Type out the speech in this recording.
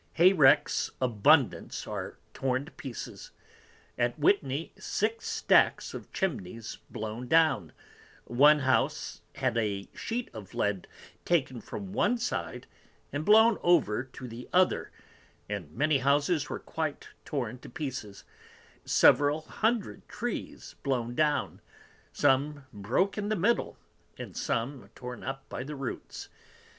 Hay recks abundance are torn to pieces: At Wittney, six Stacks of Chimneys blown down, one House had a sheet of Lead taken from one side and blown over to the other, and many Houses were quite torn to pieces; several Hundred Trees blown down, some broke in the middle, and some torn up by the Roots.